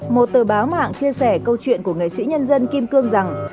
một tờ báo mạng chia sẻ câu chuyện của nghệ sĩ nhân dân kim cương rằng